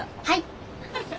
はい。